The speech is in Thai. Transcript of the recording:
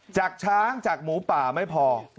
จากช้างจากหมูป่าไม่พอ